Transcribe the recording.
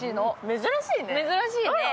珍しいね。